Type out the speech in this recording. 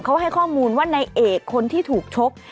เขาให้ข้อมูลว่าในเอกคนที่ถูกชก